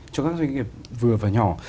cho các doanh nghiệp vừa và nhỏ